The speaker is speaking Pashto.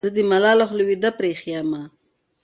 زه دې ملاله خوله وېده پرې اېښې یمه.